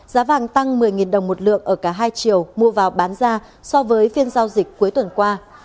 giá vàng tăng một mươi đồng một lượng ở cả hai triệu mua vào bán ra so với phiên giao dịch cuối tuần qua